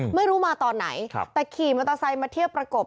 ไม่รู้มาตอนไหนแต่ขี่มอเตอร์ไซค์มาเที่ยวประกบ